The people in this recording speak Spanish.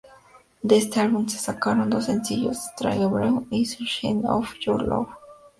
De este álbum se sacaron dos sencillos: "Strange Brew" y "Sunshine of Your Love".